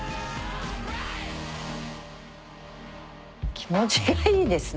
気持ちがいいですね。